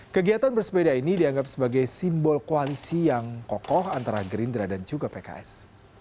kegiatan bersepeda ini dianggap sebagai simbol koalisi yang kokoh antara gerindra dan juga pks